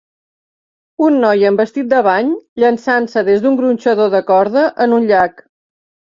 Un noi amb vestit de bany llançant-se des d'un gronxador de corda en un llac.